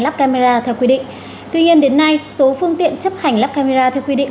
lắp camera theo quy định tuy nhiên đến nay số phương tiện chấp hành lắp camera theo quy định